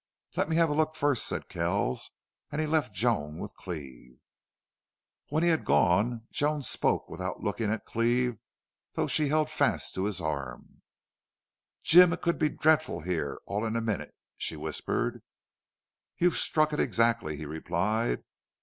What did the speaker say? "Let me have a look first," said Kells, and he left Joan with Cleve. When he had gone Joan spoke without looking at Cleve, though she held fast to his arm. "Jim, it could be dreadful here all in a minute!" she whispered. "You've struck it exactly," he replied.